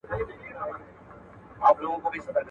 د روښانه راتلونکي په لور.